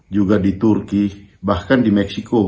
juga di turki bahkan di meksiko